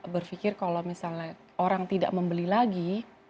berpikir kalau misalnya orang tidak membeli lagi